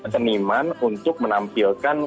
keniman untuk menampilkan